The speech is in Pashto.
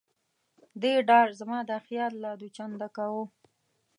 دې ډار زما دا خیال لا دوه چنده کاوه.